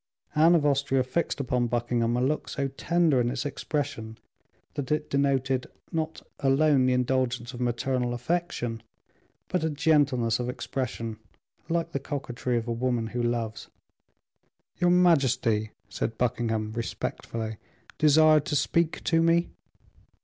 Anne of Austria fixed upon Buckingham a look so tender in its expression, that it denoted, not alone the indulgence of maternal affection, but a gentleness of expression like the coquetry of a woman who loves. "Your majesty," said Buckingham, respectfully, "desired to speak to me."